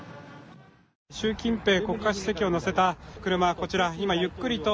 習近平国家主席を乗せた車、こちらゆっくりと